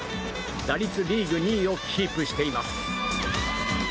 打率リーグ２位をキープしています。